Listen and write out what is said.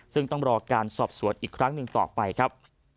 ซึ่งต้องรอการสอบสวนอีกครั้งหนึ่งต่อไปครับ